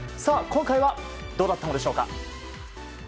今回はどうだったんでしょうか。